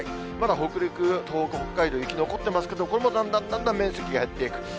まだ北陸、東北、北海道、雪残ってますけれども、これもだんだんだんだん面積が減っていく。